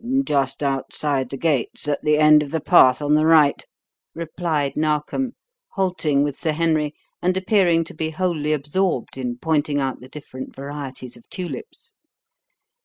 "Just outside the gates, at the end of the path on the right," replied Narkom, halting with Sir Henry and appearing to be wholly absorbed in pointing out the different varieties of tulips.